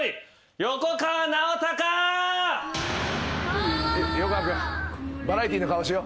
横川君バラエティーの顔しよう。